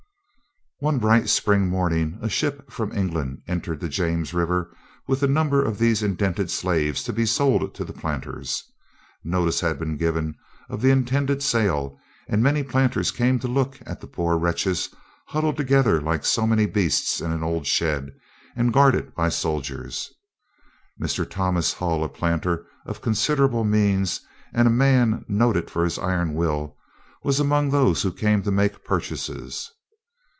One bright spring morning a ship from England entered the James River with a number of these indented slaves to be sold to the planters. Notice had been given of the intended sale and many planters came to look at the poor wretches huddled together like so many beasts in an old shed, and guarded by soldiers. Mr. Thomas Hull, a planter of considerable means, and a man noted for his iron will, was among those who came to make purchases.